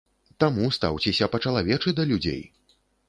Таму стаўцеся па-чалавечы да людзей.